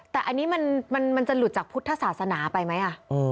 แต่อันนี้มันจะหลุดจากพุทธศาสนาไปไหม